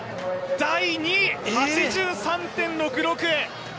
第２位、８３．６６。